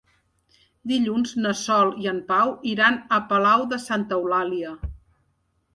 Dilluns na Sol i en Pau iran a Palau de Santa Eulàlia.